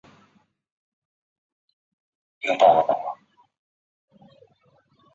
隆普尼厄人口变化图示